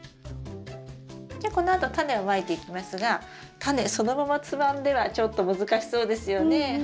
じゃあこのあとタネをまいていきますがタネそのままつまんではちょっと難しそうですよね。